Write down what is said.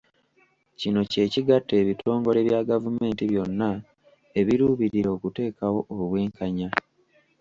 Kino kye kigatta ebitongole bya gavumenti byonna ebiruubirira okuteekawo obwenkanya.